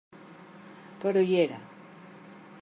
Però hi era.